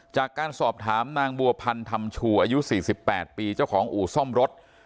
จากการสอบถามนางบัวพันธรรมชูอายุ๔๘ปีเจ้าของอู่ซ่อมรถ